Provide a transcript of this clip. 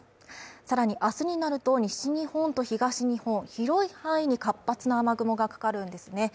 さらに、明日になると西日本と東日本広い範囲に活発な雨雲がかかるんですね